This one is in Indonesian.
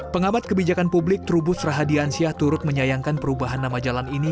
pengamat kebijakan publik trubus rahadiansyah turut menyayangkan perubahan nama jalan ini